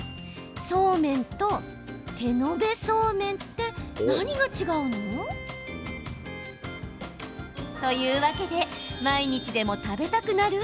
そうめんと手延べそうめんって何が違うの？というわけで毎日でも食べたくなる？